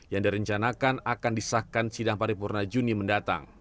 yang direncanakan akan disahkan sidang paripurna juni mendatang